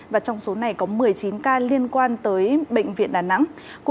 và trong số này có một mươi chín ca liên quan tới bệnh viện đà nẵng